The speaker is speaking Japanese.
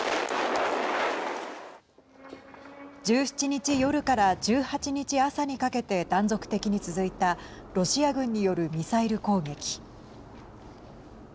１７日夜から１８日朝にかけて断続的に続いたロシア軍によるミサイル攻撃。